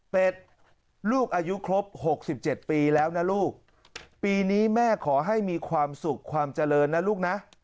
เป็นลูกอายุครบ๖๗ปีแล้วนะลูกปีนี้แม่ขอให้มีความสุขความเจริญนะลูกนะ